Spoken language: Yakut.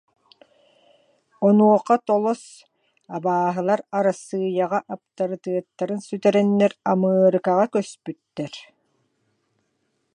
Онуоха Толос: «Абааһылар Арассыыйаҕа аптарытыаттарын сүтэрэннэр, Амыарыкаҕа көспүттэр»